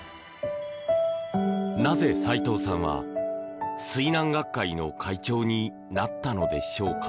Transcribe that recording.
なぜ、斎藤さんは水難学会の会長になったのでしょうか。